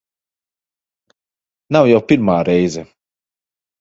Nav jau pirmā reize.